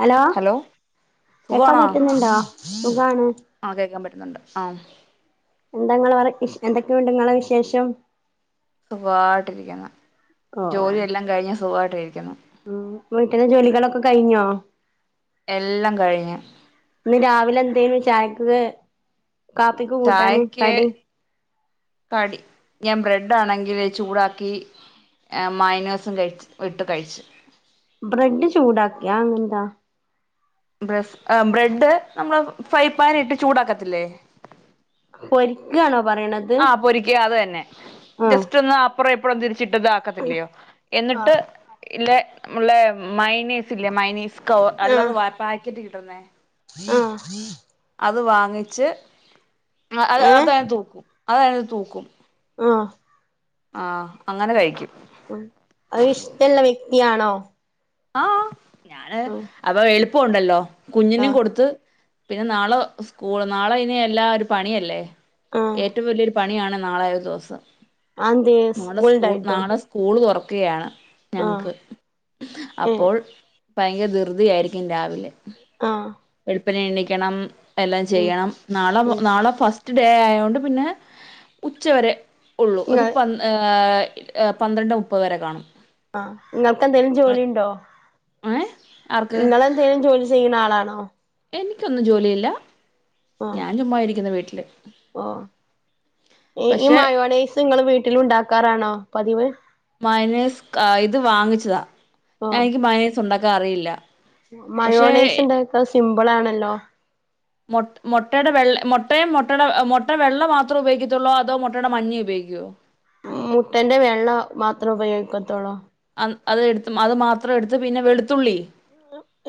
Hello കേൾക്കാൻ പറ്റുന്ന്ണ്ടോ? സുഖാണ് ആഹ് കേക്കാൻ പറ്റുന്നുണ്ട് ആഹ് എന്തങ്ങളോടെ ശ് എന്തൊക്കെയുണ്ട് നിങ്ങളെ വിശേഷം സുഖായിട്ടിരിക്കുന്നു ജോലിയെല്ലാം കഴിഞ്ഞ് സുഖായിട്ടിരിക്കുന്നു. ഉം വീട്ടിലെ ജോലികളൊക്കെ കയിഞ്ഞോ? എല്ലാം കഴിഞ്ഞ്. ഇന്ന് രാവിലെന്തേനു ചായക്ക്? കാപ്പിക്ക് കൂട്ടാന് ചായക്ക് കടി കടി ഞാൻ ബ്രെഡ് ആണെങ്കില് ചൂടാക്കി ഏഹ് മയോണസ് കഴിച്ച് വിട്ട് കഴിച്ച് ബ്രെഡ് ചൂടാക്കേ അങ്ങനെന്താ ബ്രെസ് ആ ബ്രെഡ് നമ്മള് ഫ്രൈ പാൻ ഇട്ട് ചൂടാക്കത്തില്ലേ പൊരിക്കയാണോ പറയണത് ആഹ് പൊരിക്കാ അത് തന്നെ ആഹ് ജസ്റ്റ് ഒന്ന് അപ്പുറം ഇപ്പുറം തിരിച്ചിട്ടത് ഒക്കത്തില്ലയോ എന്നിട്ട് ആഹ് ഇല്ല ല്ലേ മയണിസ് ഇല്ലേ മയണിസ് സ്കോ അല്ലാതെ പാക്കറ്റ് കിട്ടുന്നേ ആഹ് അത് വാങ്ങിച്ച് അത്‌ ഏഹ് അതണ് തൂക്കും അതതണ് തൂക്കും ആഹ് ആഹ് അങ്ങനെ കഴിക്കും ഉം അത് ഇഷ്ടള്ള വ്യക്തിയാണോ? ആഹ് ആഹ് ഞാന് ആഹ് അതാ എളുപ്പോണ്ടല്ലോ കുഞ്ഞിനും ആഹ് കൊടുത്ത് പിന്നെ നാളെ സ്കൂൾ നാളെ ഇനി എല്ലാ ഒരു പണിയല്ലേ ആഹ് ഏറ്റവും വലിയൊര് പണിയാണ് നാളെ ഒരു ദിവസം അതെന്തേ മോളെ സ്കൂൾ ഉണ്ടായിട്ടോ നാളെ സ് കൂള് തുറക്കുകയാണ് ആഹ് ഞങ്ങൾക്ക് ഏഹ് അപ്പോൾ ഭയങ്കര ധൃതിയായിരിക്കും രാവിലെ അ വെളുപ്പിനേ എണീക്കണം എല്ലാം ഉം ചെയ്യണം നാളെ നാളെ ഫസ് റ്റ് ഡേ ആയോണ്ട് പിന്നെ ഉച്ച വരെ ഉള്ളൂ ഒരു ഉം പ ഏ പന്ത്രണ്ട് മുപ്പത് വരെ കാണും ആ ങ്ങൾക്ക് എന്തേലും ജോലി ഇണ്ടോ ഏ ആർക്ക് ങ്ങള് എന്തെം ജോലി ചെയ്യണ ആളാണോ എനിക്കൊന്നും ജോലിയില്ല ആഹ് ഞാൻ ചുമ്മാ ഇരിക്കുന്നു വീട്ടില് ഓ ഏ ഈ പക്ഷെ മയോണേസ് ങ്ങള് വീട്ടില് ഉണ്ടാക്കാറാണോ പതിവ് മയോണിസ് ക ഇത് വാങ്ങിച്ചതാ ഞാ എനിക്ക് മയോണിസ് ഉണ്ടാക്കാൻ അറിയില്ല പക്ഷേ മയോണേസ് ണ്ടാക്കാൻ സിമ്പ്ളാണല്ലോ മോട്ട് മോട്ടേടെ വെള്ളെ മോട്ടേം മോട്ടേടെ മോട്ട വെള്ള മാത്രം ഉപയോഗിക്കത്തോള്ളോ അതോ മോട്ടേടെ മഞ്ഞ ഉപയോഗിക്കോ മുട്ടന്റെ വെള്ള മാത്രം ഉപയോഗിക്കത്തോള്ളു അ അത് എട്ത്ത് അത് മാത്രം എട്ത്ത് പിന്നെ വെളുത്തുള്ളി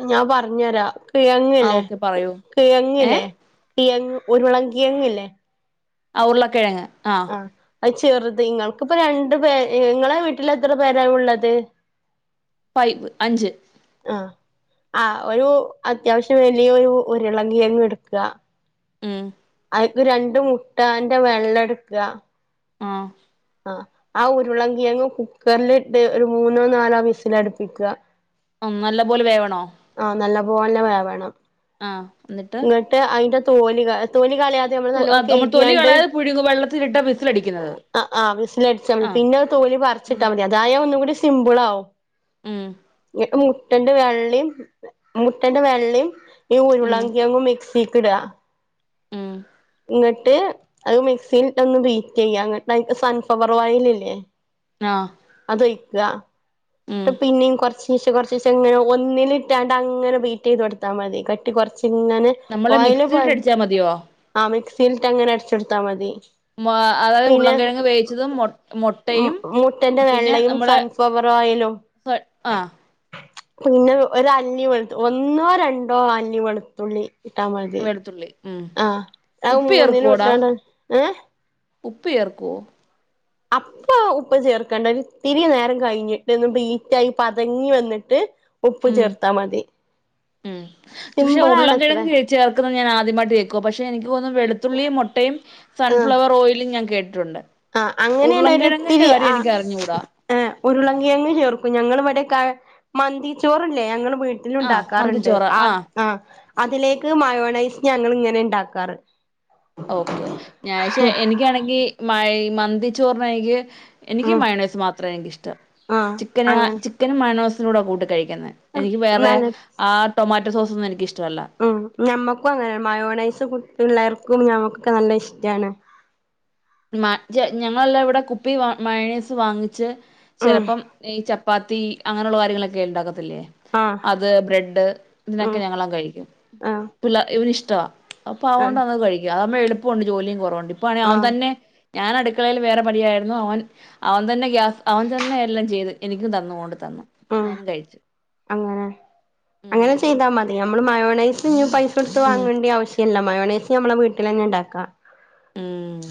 ഞാ പറഞ്ഞരാ ആ കിഴങ്ങില്ലേ ഓക്കെ പറയൂ ഏ കിഴങ്ങില്ലേ കിഴങ്ങ് ഉരുളൻകിഴങ്ങില്ലേ ആ ഉര്ളക്കിഴങ്ങ് ആ അഹ് ചെറുത് ങ്ങൾക്ക്പ്പോ രണ്ടു പേ ങ്ങളെ വീട്ടിൽ എത്ര പേരാ ഉള്ളത് ഫൈവ് അഞ്ച് ആ ആ ഒരു അത്യാവശ്യം വലിയൊരു ഉരുളൻ കിഴങ്ങ് ഇട്ക്ക ഉം അതിക്കു രണ്ടു മുട്ടാന്റെ വെള്ള ഇട്ക്ക ആ ആ ഉരുളൻ കിഴങ്ങ് കുക്കർല്ട്ട് ഒരു മൂന്നോ നാലോ വിസിലട്പ്പിക്ക ആ നല്ല പോലെ വേവണോ ആ നല്ല പോലെ വേവണം ആ ന്ന്ട്ട് ട്ട് അയ്ന്റെ തോല് ക തോല് കള്യാതെ മ്മള് നല്ലോ കേയ്ഗ്യാണ്ട് പുഴുക് വെള്ളത്തില്ട്ടാ വിസിൽ അടിക്കുന്നത് ആ ആ വിസിലാടിച്ചാ മതി പിന്നെ തൊല് ഉം പറിച്ച്ട്ടാ മതി അതായ ഒന്നും കൂടെ സിമ്പിളാവും ഉം ഇ മുട്ടന്റെ വെള്ളിം മുട്ടന്റെ വെള്ളിം ഈ ഉം ഉരുളൻ കിഴങ്ങും മിക്സിക്ക്ട ഉം ഇന്ന്ട്ട് അഹ് മിക്സില്ട്ട് ഒന്ന് ബീറ്റെയ്യാ ങ്ങട്ട്അയ്ക്ക് സൺഫ്ലവർ ഓയില് ല്ലേ ആഹ് അതൊയ്ക്ക ട്ട് പിന്നിം കോറച്ച് കോറച്ച് കോറച്ചിച്ചങ്ങനെ ഒന്നിലിട്ടാണ്ട് അങ്ങനെ ബീറ്റെയ്ത് കൊട്ത്താ മതി കട്ടി കോറച്ചിങ്ങനെ നമ്മള് ഓയല് പാ മിക്സിയിലിട്ട് അടിച്ചാൽ മതിയോ ആ മിക്സില്ട്ട് അങ്ങനെ അട്ച്ചോട്ത്താ മതി മ- അതായത് പിന്നെ ഉരുളൻകിഴങ്ങ് വേവിച്ചതും മൊ മൊട്ടയും മുട്ടൻ്റെ വെള്ളയും സൺഫ്ലവർ ഓയിലും സോ ആ പിന്നെ ഒരല്ലി വെളുത്തു ഒന്നോ രണ്ടോ അല്ലി വെളുത്തുള്ളി ഇട്ടാ മതി തുള്ളി ഉം ആഹ് അത് ഉപ്പ് മൂന്നിലും ചേർക്കുവോടാ ഇട്ടാണ്ട് ഏഹ് ഉപ്പ് ചേർക്കോ അപ്പ പ്പ ഉപ്പ് ചേർക്കണ്ട ത്തിരി നേരം കയ്ഞ്ഞ്ട്ട് ഒന്ന് ബീറ്റായി പതഞ്ഞ് വന്ന്ട്ട് ഉപ്പ് ഉം ചേർത്താ മതി ഉം. പക്ഷെ സിമ്പിൾ ആണത്രേ ഉള്ളംകിഴങ്ങ് ചേർക്കുന്നത് ഞാനആദ്യമായിട്ട് കേൾക്കുവ പക്ഷെ എനിക്ക് തോന്ന് വെളുത്തുള്ളിയും മൊട്ടയും ആഹ് സൺഫ്ലവർ ഓയിലും ഞാൻ കേട്ട്ട്ടുണ്ട്. ആഹ് അങ്ങനേണ് ഒരിത്തിരി അറിഞ്ഞൂടാ ആഹ് ഉരുളങ്കിഴങ്ങ് ചേർക്കും ഞങ്ങള് വടെ കാ മന്തിച്ചോറ്ല്ലേ ഞങ്ങള് വീട്ട ആഹ് ലുണ്ടാക്കാറ്ണ്ട് മന്തിച്ചോറ് ആഹ് ആഹ് അതിലേക്ക് മയോണൈസ് ഞങ്ങള് ഇങ്ങനെണ്ടാക്കാറ്. ഓക്കെ ഞാഷേ എനിക്കാണെങ്കി മയി മന്തിച്ചോർണെനിക്ക് എനിക്ക് ഉം മയോണൈസ് മാത്ര എനിക്ക് ഇഷ്ടം ആഹ് ചിക്കന് അങ്ങനെ ചിക്കനും മയണോസിനൂടെ കൂട്ട് കഴിക്കുന്നേ. എനിക്ക് വേറെ നല്ല ആ ടൊമാറ്റോ സോസൊന്നും എനിക്കിഷ്ടല്ല. ഉം ഞമ്മക്കും അങ്ങനെ മയോണൈസ് കു പിള്ളേർക്കും ഞമ്മക്കൊക്ക നല്ല ഇഷ്ടാണ്. മ ജെ ഞങ്ങളെല്ലാം ഇവടെ കുപ്പി വാ മയേസ് വാങ്ങിച്ച് ഉം ചെലപ്പം ഈ ചപ്പാത്തി അങ്ങനെള്ള കാര്യങ്ങളക്കെ ണ്ടാക്കത്തില്ലേ? ആഹ് അത് ബ്രെഡ് ഉം ഇതിനൊക്കെ ഞങ്ങള കഴിക്കും ആഹ് പിള്ളാ ഇവന് ഇഷ്ടവാ. അപ്പം ആഹ് അതോണ്ടങ്‌ കഴിക്കും അതാവുമ്പോ എളുപ്പോണ്ട് ജോലിം കൊറവുണ്ട് ഇപ്പോ ആണെ അവൻ ആഹ് തന്നെ ഞാനട്ക്കളെല് വേറെ പണിയായ്ര്ന്നു ഓൻ അവൻ തന്നെ ഗ്യാസ് അവൻ തന്നെ എല്ലാം ചെയ്ത് എനിക്കുംതന്നു കൊണ്ട് തന്നു. ഉം ഞാനും കഴിച്ചു അങ്ങനെ അങ്ങനെ ഉം ചെയ്താമതി ഞമ്മള് മയോണൈസ്ഞ്ഞും പൈ സട്ത്ത് ഉം വാങ്ങേണ്ടി ആവശ്യല്ല മയോണൈസ് ഞമ്മള വീട്ടിലന്നെ ണ്ടാക്കാ. ഉം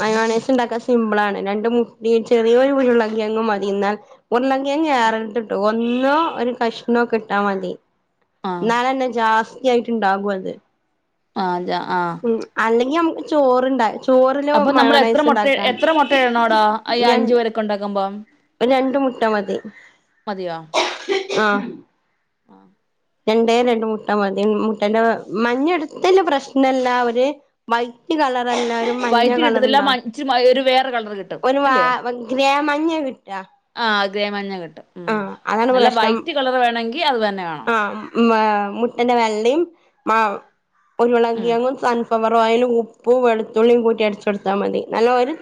മയോണൈസ്ണ്ടാക്കാ സിമ്പ്ളാണ് രണ്ട് മുട്ടിം ചെറിയൊരു ഉരുളങ്കിയങും മതിന്നാ ഉർളങ്കേങ് ഏറര് ട്ട് ഒന്നോ ഒരു കഷ്ണോക്ക ഇട്ടാമതി ആഹ് ഇന്നാലന്നെ ജാസ് തിയായിട്ട്ണ്ടാകുഅത്. ആഹ് ജ ആഹ്. അല്ലെങ്കിഅമ്മക്ക് ചോറ്ണ്ടാ അപ്പൊ ചോറിനും നമ്മൾ എത്ര മുട്ട മയോണൈസ്ണ്ടാക്കാ എത്ര മുട്ട ഇടണോടാ ഈ ഞാൻ അഞ്ചു പേരൊക്കെ ഉണ്ടാക്കുമ്പം ഒര് രണ്ട് മുട്ട മതി. മതിയോ? ആഹ്. ആഹ്. രണ്ടേ രണ്ട് മുട്ട മതി മുട്ടന്റെ മഞ്ഞട്ത്തല് പ്രശ്നല്ല ഒര് വൈറ്റ് കളറേല്ലാരും വൈറ്റ് കിട്ടത്തില്ല മ മഞ്ഞകളറ്ണ്ടാവും ഇച്ചിരി ഒരു വേറെ കളർ കിട്ടും ഒരു വാ അല്ലയോ ഗ്രേമഞ്ഞ ക്ട്ടാ ആഹ് ഗ്രേമഞ്ഞ ക്ട്ടും ഉം അതാണ് നല്ല പ്രശ്നം വൈറ്റ്കളറ് വേണങ്കി അത് തന്നെ വേണം. ആഹ് മേ മുട്ടേന്റെ വെള്ളിം മാ ഉം ഉരുളങ്കിഴങ്ങും സൺ വർഓയിലും ഉപ്പും വെള്ത്തുള്ളിം കൂട്ടി അട്ച്ചൊട്ത്താ മതി നല്ല ഒര്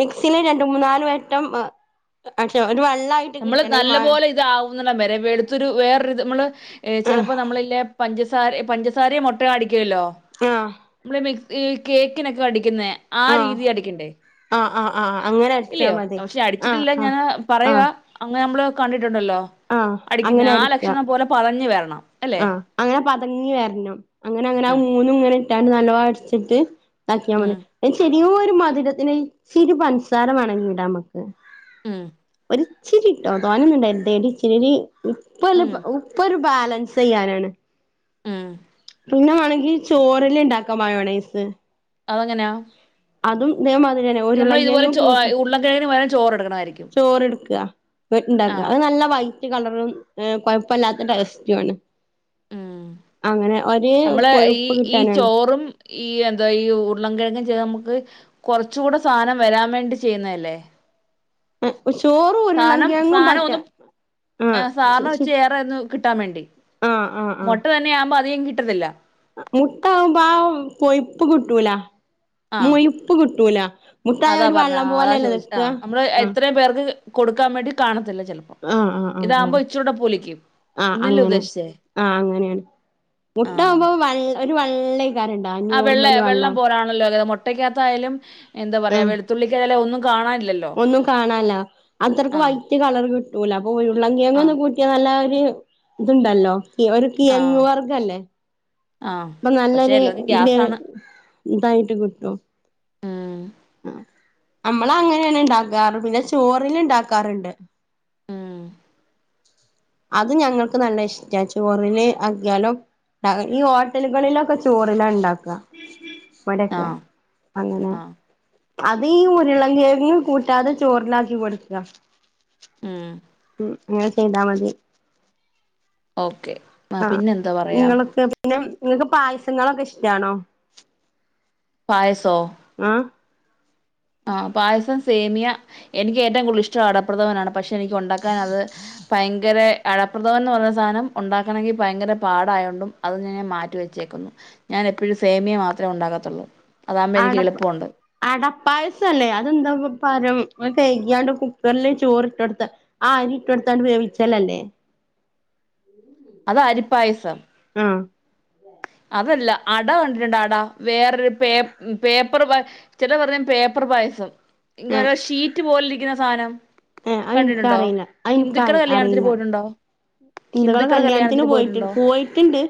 മിക്സീല് രണ്ട്മൂന്നാല് വട്ടം ആഹ് ഒരു വള്ളായി നമ്മള് നല്ലപോലെ ഇതാവുന്നടംവരേ വെളുത്തൊരു വേറൊരിത് മ്മള് ആഹ് ചെലപ്പോ നമ്മളില്ലെ പഞ്ചസാരേ പഞ്ചസാരയും മൊട്ടയും അടിക്കുവല്ലോ. ആഹ്. മ്മള് മിക്സ് ഈ കേക്കിനൊക്ക അടിക്കുന്നെ ആ ആഹ് രീതീ അടിക്കണ്ടേ ആഹ് ആഹ് ആഹ് അങ്ങനെ അടിച്ചാ ഇല്ലിയോ മതി പക്ഷെ ആഹ് അടിച്ചിട്ടില്ല ആഹ് ഞാനാ ആഹ് പറയ്വാ അങ്ങനെമ്മള് കണ്ടിട്ടുണ്ടല്ലോ ആഹ് അടിക്കുന്നെ അങ്ങനെ ആ അടിക്ക ലക്ഷണം പോലെ പതഞ്ഞ് വര്ണം അല്ലെ? ആഹ് അങ്ങനെ പതഞ്ഞ് വര്ണം അങ്ങനെ അങ്ങനെ അത് ഉം മൂന്നും ഇങ്ങനെ ഇട്ടാണ്ട് നല്ലോം അട്ച്ച്ട്ട് ഉം താക്കിയാമതി അയിന് ചെറിയോരു മധ്‌രത്തിന് ഇച്ചിരി പൻസാര വാണെങ്കി ഇടാമ്മക്ക്. ആഹ്. ഇച്ചിരിയിട്ടോ തോനെന്നും വേണ്ടേരി ഇച്ചിരി ഒരു ഉപ്പല്ല ഉം ഉപ് പ്പൊരു ബാലൻസയ്യാനാണ്. ഉം പിന്നെ വേണെങ്കി ചൊറില്ണ്ടാക്കാം മയോണൈസ്. അതെങ്ങനെയാ? അതും ഇതേമാതിരി തന്നെ ഉരുളങ്കിഴങ്ങും ചോ കൂട്ട ഉരുളക്കിഴങ്ങിന് പകരം ചോറ് എടുക്കണമായിരിക്കും ചോറെടുക്ക. [unintelligible] ട്ടുണ്ടാക്ക ആഹ് അത് നല്ല വൈറ്റ് കളറും എഹ് കുഴപ്പല്ലാത്ത ടേസ്റ്റുവാണ്. ഉം അങ്ങനെ ഒരേ നമ്മള് ഈ കൊഴുപ്പ് ഈ കിട്ടാനാണ്. ചോറും ഈ എന്താ ഈ ഉരുളം കെഴങ്ങു ചെയ്ത നമുക്ക് കുറച്ചൂടെ സാധനം വരാൻ വേണ്ടി ചെയ്യുന്നേല്ലേ? ഉം ഉശോ സാനം സാനൊന്നും ആഹ് സാനോ ച്ച് ഏറെ ഒന്ന് കിട്ടാൻ വേണ്ടി. ആഹ് ആഹ് മൊട്ട തന്നെ ആകുമ്പം അധികം കിട്ടത്തില്ല. മുട്ടാകുമ്പാ ആ കൊയിപ്പ് കിട്ടൂല ആഹ് മുയിപ്പ് കിട്ടൂല. മുട്ടായ അതാ ഒരു പറഞ്ഞ വള്ളം അതാ പോലെയല്ലേ ചോദിച്ചാ നിക്കാ നമ്മള് ആഹ് ഇത്രയും പേർക്ക് കൊടുക്കാൻ വേണ്ടി കാണത്തില്ല ചെൽ ആഹ് ആഹ് ആഹ് ആഹ് ആഹ് ഇതല്ലേ അങ്ങനെ, ഉദ്ദേശിച്ചേ ആഹ് അങ്ങനെയാണ്. മുട്ടാവുമ്പോ വെൾ ഒരു വെള്ളൈക്കാര ആഹ് വെള്ളയാ വെള്ളം പോലാണല്ലോത് മുട്ടയ്ക്കകത്തെ ആയാലും എന്താ പറയാ ആഹ് വെളുത്തുള്ളിക്കായാലും ഒന്നും കാണാനില് ഒന്നും കാണാനില്ല അത്രയ്ക്ക് വൈറ്റ് കളർ കിട്ടൂല അപ്പൊ ഉര്ള്ള കിയങ്ങൊന്ന് ആഹ് [unintelligible] ക്കെ നല്ല ഒരു ഇതുണ്ടല്ലോ ഒരു ആഹ് കിഴങ്ങുവർഗല്ലേ. ആഹ് പ്പം പക്ഷെ നല്ലൊരു എല്ലാർക്കും ഇത് ഗ്യാസാണ് ഇതായിട്ട് കിട്ടും. ഉം നമ്മളങ്ങനെയാണ് ഇണ്ടാക്കാറ് പിന്നെ ചോറിനുണ്ടാക്കാറുണ്ട്. ഉം അത് ഞങ്ങൾക്ക് നല്ല ഇഷ്ട ചോറിന് ആക്കിയാലും ഈ ടിലുകളിലൊക്കെ ചോറില ണ്ടാക്ക ഇവിടൊക്കെ ആഹ് അങ്ങനെ. ആഹ് അതീ ഈ ഉരുളൻ കെഴങ് കൂട്ടാതെ ചോറിലാക്കി കൊടുക്ക ഉം ഉം ങ്ങനെ ചെയ്താ മതി. ഓക്കെ ആ ആഹ് പിന്നെന്താ പറയാ നിങ്ങളൊക്കെ പിന്നെ നിങ്ങക്ക് പായസങ്ങളൊക്കെ ഇഷ്ടാണോ? പായസോ? ആഹ് ആഹ് പായസം സേമിയ, എനിക്ക് ഏറ്റവും കൂടുതൽ ഇഷ്ടം അടപ്രഥമനാണ് പക്ഷേ എനിക്കൊണ്ടാക്കാനത് ഭയങ്കര അടപ്രദമൻന്ന് പറഞ്ഞ സാധനം ഒണ്ടാക്കണെങ്കി ഭയങ്കര പാടായോണ്ടും അതിങ്ങനെ മാറ്റിവെച്ചേക്കുന്നു. ഞാനെപ്പഴും സേമിയെ മാത്രേ ഒണ്ടാക്കത്തൊള്ളൂ. അടപ്പ് അടപ്പായസല്ലേ അതെന്താപ്പ പാരം കൈകിയാണ്ട് കുക്കറില് ചോറിട്ടൊടുത്ത ആ അരി ഇട്ടുകൊടുത്തോണ്ട് വേവിച്ചാലല്ലേ. അത് അരിപ്പായസം. ആഹ് അതല്ല, അട കണ്ടിട്ടുണ്ടൊ അട വേറൊരു പേ പേപ്പർ വ ചിലര് പറയും പേപ്പറ് പായസം ഇങ്ങനെ ഏഹ് ഓരോ ഷീറ്റ് പോലിരിക്കുന്ന സാനം. ഏഹ് അയെൻക്കറിയില്ല അയെൻക്ക്‌ കല്യാണത്തിന് അറിയില്ല പോയിട്ടുണ്ടോ [unintelligible] ഹിന്ദുക്കളുടെ കല്യാണത്തിന് പോയിട്ടു, പോയിട്ടുണ്ടോ പോയിട്ടുണ്ട്.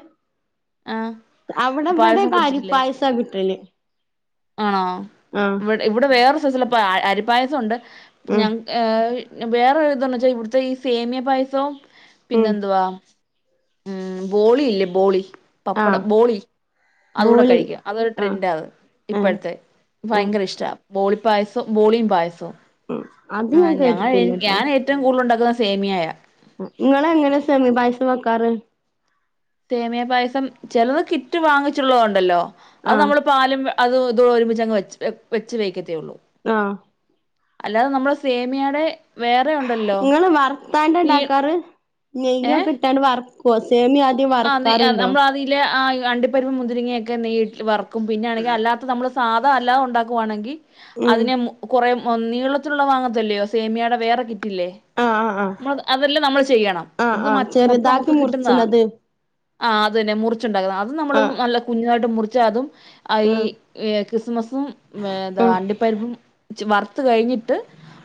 ആഹ് പായസം അവിടെവിടെകെ കുടിച്ചിട്ടില്ലേ അരിപ്പായസ കിട്ടല് ആണോ ആഹ് ഇവ്ടെ ഇവിടെ വേറെ സെയ്സുള്ള പാ അരിപ്പായസുണ്ട് ഉം ഞ ഏഹ് വേറെ ഇതൊന്ന് വെച്ചാ ഇവിടുത്തെ ഈ സേമിയ പായസവും ഉം പിന്നെന്തുവാ ഉം ബോളി ഇല്ലേ ബോളി പപ്പടം ആഹ് ബോളി അതൂടെ ബോളി കഴിക്ക അതൊരു ആഹ് ട്രെൻഡ ആത് ഏഹ് ഇപ്പഴത്തെ ഏഹ് ഭയങ്കര ഇഷ്ട്ടാ ബോളി പായസവും ബോളിം പായസവും ഉം അത് ഉം ഞാൻ ഞാനെ കേട്ടിട്ടില്ലട്ടോ ഞാനേ റ്റവും കൂടുതല് ഉണ്ടാക്കുന്ന സേമിയായ ഉം ഇങ്ങളെങ്ങനെ സെമിയ പായസം വെക്കാറ് സേമിയ പായസം ചെലത് കിറ്റ് വാങ്ങിച്ചുള്ളത് ഉണ്ടല്ലോ അത് ആഹ് നമ്മൾ പാലും അതും ഇതും ഒരുമിച്ചങ് വെ വെച്ച് വെവിക്കത്തേ ഒള്ളൂ ആഹ് അല്ലാതെ നമ്മൾ സേമിയാടെ വേറെ ഉണ്ടല്ലോ നിങ്ങള് വറുത്താണ്ട നീ ഇണ്ടാക്കാറ് ഏഹ് നെയ്യൊക്കെ ഇട്ടാണ്ട് വർക്കുവോ സേമിയ ആദ്യം ആ വറക്കാറുണ്ടോ നമ്മൾ അതില് അണ്ടിപരിപ്പും മുന്തിരിങ്ങയൊക്കെ നെയിട്ടിട് വറക്കും പിന്നൊണെങ്കി അല്ലാത്ത നമ്മള് സാധ അല്ലാതെ ഉണ്ടാക്കുവാണെങ്കി ഉം അതിനെ മം കൊറേ നീളത്തിലുള്ള വാങ്ങത്തില്ലയോ സേമിയേടെ വേറെ കിറ്റില്ലേ. ആഹ് ആഹ് ആഹ് നമ്മ അതെല്ലം നമ്മള് ചെയ്യണം ആഹ് ഇത് മ ആഹ് മൊത്തം ചെറുതാക്കി നമുക്ക് കിട്ടുന്നതാ മുറിച്ചണത് ആഹ് അത് തന്നെ മുറിച്ചുണ്ടാക്കുന്നത് അതും നമ്മള് ആഹ് നല്ല കുഞ്ഞുതായിട്ട് മുറിച്ച് അതും അയീ ആഹ് ഈ കിസ്മസും എന്താ അണ്ടിപ്പരിപ്പും വറുത്ത് കഴിഞ്ഞിട്ട്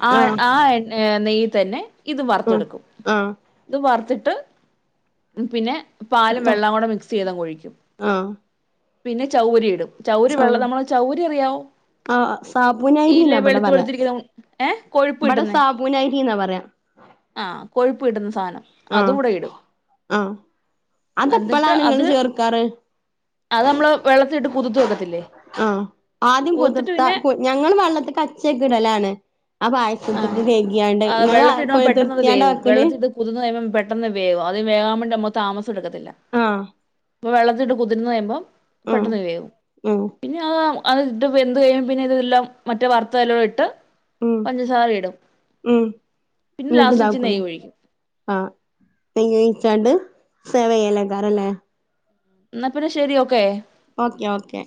ആ ആഹ് ആഹ് ആ എ നെയ്യ് തന്നെ ഇത് ഉം വർത്തെടുക്കും ആഹ് ഇത് വർത്തിട്ട് ഉം പിന്നെ പാലും അപ്പ വെള്ളം കൂടെ മിക്സ് ചെയ്ത് അങ്ങ് ഒഴിക്കും ആഹ് പിന്നെ ചൗവ്വരി ഇടും ചൗവ്വരി ആഹ് വെള്ളം നമ്മള ചൗവ്വരി അറിയാവോ? ആഹ് ഇല്ല സാബൂനരിന്നാ ഇവിടെ വെളുത്ത പറയാ വെളുത്തിരിക്കുന്ന ഏഹ് കൊഴുപ്പ് ഇവിടെ കിട്ടുന്നേ സാബൂനരിന്നാ പറയാ ആ കൊഴുപ്പ് കിട്ടുന്ന സാധനം അതും ആഹ് കൂടെ ഇടും ആഹ് എന്നിട്ട് അതെപ്പളാണ് അത് ഇങ്ങള് ചേർക്കാറ് അത് നമ്മള് വെള്ളത്തിൽ ഇട്ട് കുതുത്തു വെക്കത്തില്ലേ ആ ആദ്യം കുതിർത്തിട്ട് കുതിർത്ത പിന്നെ ഞങ്ങൾ വെള്ളത്തിക്ക് അച്ചേക്ക് ഇടലാണ് ആ ആ പായസത്തിക്ക് കഴികിയാണ്ട് ഇങ്ങൾ വെള്ളത്തിലിടുമ്പോ പെട്ടെന്ന് അത് കൊതിർത്തിയാണ്ട വേവും വെക്കല് വെള്ളത്തിലിട്ട് കുതിർന്ന് കഴുമ്പോ പെട്ടെന്ന് വേവും അത് വേകാൻ വേണ്ടി നമ്മ താമസം എടുക്കത്തില്ല ആഹ് ഇപ്പൊ വെള്ളത്തിട്ട് കുതിർന്ന് കയുമ്പം ആഹ് പെട്ടെന്ന് വേവും ഉം പിന്നെ അ അത് വെന്ത കയുമ്പം പിന്നെ ഇതെല്ലാം മറ്റേ വർത്തയിലോട്ട് ഇട്ട് ഉം പഞ്ചസാര ഇടും ഉം പിന്നെ ലാസ്റ്റ് വെച്ച് നെയ്യും ഒഴിക്കും ആ നെയ്യ് ഒഴിച്ചാണ്ട് സേവയലേക്കാരം ലേ ഇന്നാ പിന്നെ ശെരി ഓക്കെ. Okay okay